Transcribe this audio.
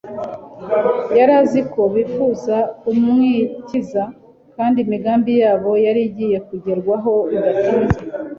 Yari azi ko, bifuza kumwikiza, kandi imigambi yabo yari igiye kugerwaho bidatinze.